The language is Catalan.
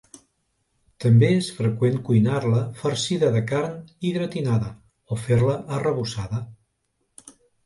També és freqüent cuinar-la farcida de carn i gratinada o fer-la arrebossada.